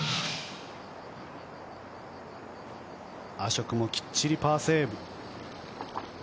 アショクもきっちりパーセーブ。